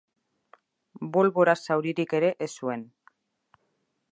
Bolbora zauririk ere ez zuen.